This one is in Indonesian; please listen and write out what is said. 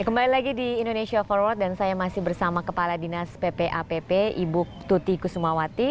kembali lagi di indonesia forward dan saya masih bersama kepala dinas ppapp ibu tuti kusumawati